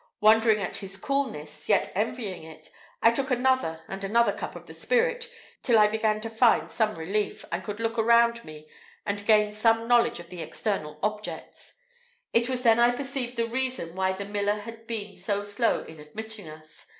Wondering at his coolness, yet envying it, I took another and another cup of the spirit, till I began to find some relief, and could look around me and gain some knowledge of the external objects. It was then I perceived the reason why the miller had been so slow in admitting us.